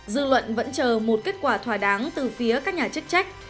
dư luận vẫn chờ một kết quả thỏa đáng từ phía các nhà chức trách